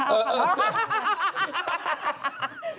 เออเออ